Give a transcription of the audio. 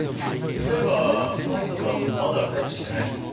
そういえばマリコさんまだ帰ってきてないの？